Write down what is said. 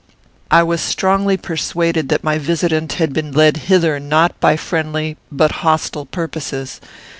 I was strongly persuaded that my visitant had been led hither not by friendly but hostile purposes.